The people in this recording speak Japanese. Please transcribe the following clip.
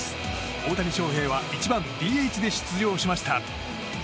大谷翔平は１番ＤＨで出場しました。